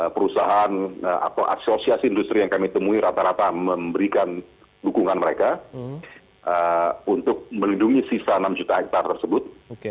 perusahaan atau asosiasi industri yang kami temui rata rata memberikan dukungan mereka untuk melindungi sisa enam juta hektare tersebut